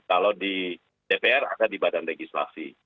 kalau di dpr ada di badan legislasi